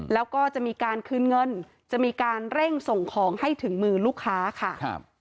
แล้วก็จะมีการคืนเงินจะมีการเร่งส่งของให้ถึงมือลูกค้าค่ะ